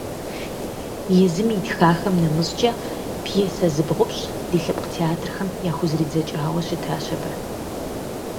Езым итхахэм нэмыщӏкӏэ, пьесэ зыбгъупщӏ ди лъэпкъ театрхэм яхузэридзэкӏауэ щытащ абы.